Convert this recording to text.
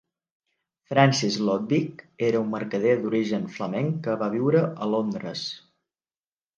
Francis Lodwick era un mercader d'origen flamenc que va viure a Londres.